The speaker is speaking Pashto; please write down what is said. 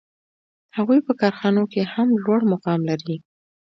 هغوی په کارخانو کې هم لوړ مقام لري